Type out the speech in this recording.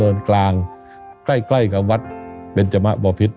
กลางใกล้กับวัดเบนจมะบอพิษ